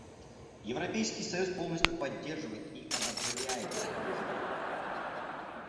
Европейский союз полностью поддерживает и одобряет этот призыв.